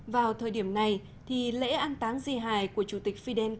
vào thời điểm này thì lễ ăn táng di hài của chủ tịch fidel castro